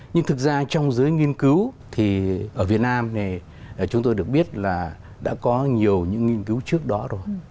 nhưng thực ra trong giới nghiên cứu thì ở việt nam này chúng tôi được biết là đã có nhiều những nghiên cứu trước đó rồi